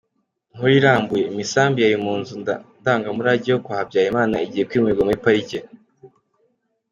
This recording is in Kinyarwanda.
Inkuru irambuye:Imisambi yari mu nzu ndagamurage yo kwa Habyarimana igiye kwimurirwa muri Parike.